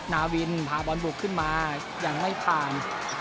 นาวินพาบอลบุกขึ้นมายังไม่ผ่าน